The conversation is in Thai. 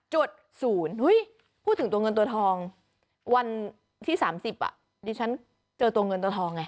พูดถึงตัวเงินตัวทองวันที่๓๐ดิฉันเจอตัวเงินตัวทองไง